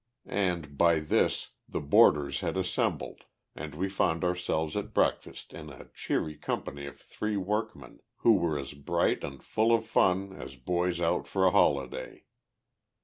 And, by this, "the boarders" had assembled, and we found ourselves at breakfast in a cheery company of three workmen, who were as bright and full of fun as boys out for a holiday.